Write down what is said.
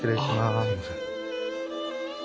あっすいません。